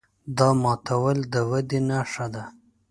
دا ماتول د ودې نښه ده.